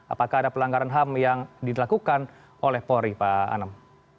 apakah ada pelanggaran ham yang dilakukan oleh polri pak anam